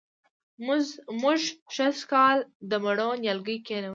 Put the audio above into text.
موږ سږ کال د مڼو نیالګي کېنوو